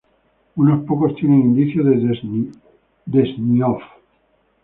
Unos pocos tienen indicios de Dezhniov.